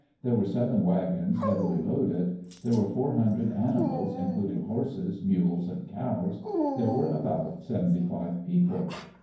There were seven wagons, heavily loaded; there were four hundred animals, includ ing horses, mules, and cows ; there were about seventy five people.